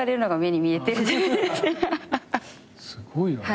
すごいよね。